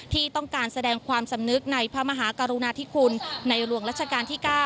ที่ต้องการแสดงความสำนึกในพระมหากรุณาธิคุณในหลวงรัชกาลที่๙